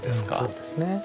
そうですね。